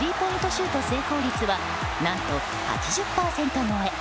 シュート成功率は何と８０％超え。